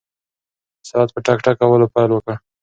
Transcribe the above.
ساعت په ټک ټک کولو پیل وکړ.